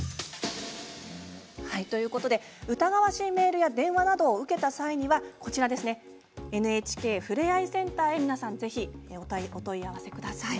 疑わしいメールや電話などを受けた際にはこちらＮＨＫふれあいセンターへ皆さん、ぜひお問い合わせください。